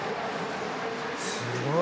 すごい。